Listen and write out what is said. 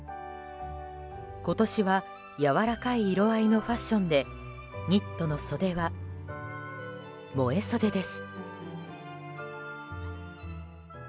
今年は、やわらかい色合いのファッションでニットの袖は萌え袖です。